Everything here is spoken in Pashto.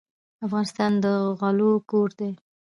افغانستان د غلو کور دی.